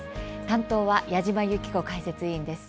担当は矢島ゆき子解説委員です。